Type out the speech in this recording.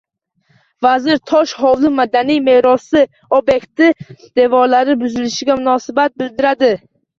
Vazir Tosh hovli madaniy merosi ob’ekti devorlari buzilishiga munosabat bildirdi